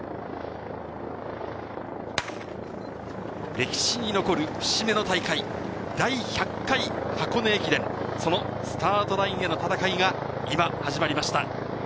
歴史に残る節目の大会、第１００回箱根駅伝、そのスタートラインへの戦いが今、始まりました。